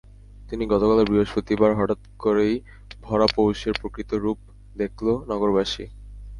কিন্তু গতকাল বৃহস্পতিবার হঠাৎ করেই ভরা পৌষের প্রকৃত রূপ দেখল নগরবাসী।